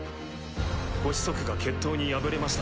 ご子息が決闘に敗れました。